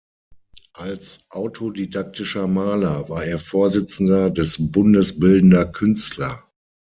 Als autodidaktischer Maler war er Vorsitzender des „Bundes Bildender Künstler“.